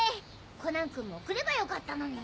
コナンくんも来ればよかったのに。